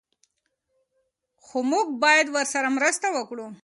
خو موږ باید ورسره مرسته وکړو.